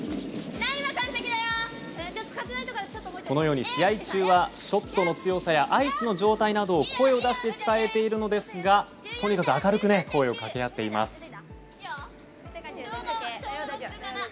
このように試合中はショットの強さやアイスの状態などを声を出して伝えているのですがとにかく明るく声を掛け合っています。